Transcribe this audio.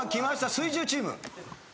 水１０チーム。